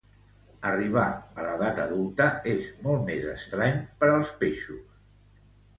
Arribar a l'edat adulta és molt més estrany per als peixos.